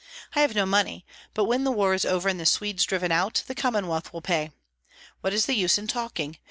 I have no money; but when the war is over and the Swedes driven out, the Commonwealth will pay. What is the use in talking!